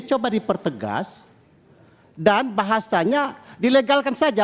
coba dipertegas dan bahasanya dilegalkan saja